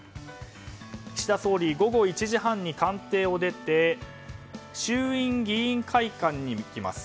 岸田総理午後１時半に官邸を出て衆院議員会館に行きます。